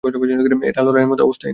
এটা আর লড়াইয়ের মতো অবস্থায় নেই।